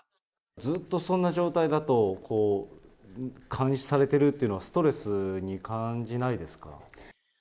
ずっとそんな状態だと、監視されてるっていうのは、ストレスに感じないですか？